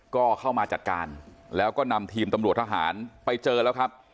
ก็เข้ามาจัดการแล้วก็นำทีมตำรวจทหารไปเจอแล้วครับ